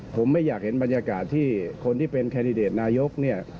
ผมไม่อยากเห็นบรรยากาศที่คนที่เป็นแคนดิเดตนายกเนี่ย